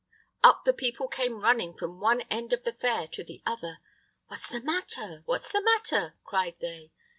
Up the people came running from one end of the fair to the other. "What's the matter? What's the matter?" cried they.